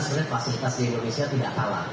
sebenarnya fasilitas di indonesia tidak kalah